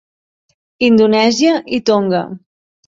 Indonèsia i Tonga.